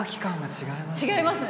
違いますね